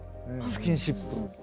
スキンシップ。